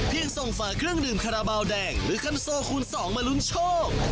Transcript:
ส่งฝาเครื่องดื่มคาราบาลแดงหรือคันโซคูณ๒มาลุ้นโชค